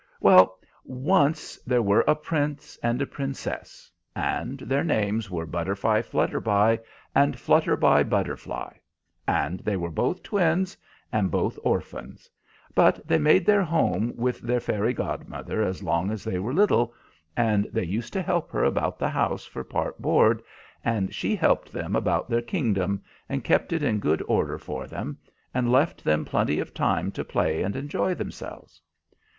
Well, once there were a Prince and a Princess, and their names were Butterflyflutterby and Flutterbybutterfly; and they were both twins, and both orphans; but they made their home with their fairy godmother as long as they were little, and they used to help her about the house for part board, and she helped them about their kingdom, and kept it in good order for them, and left them plenty of time to play and enjoy themselves.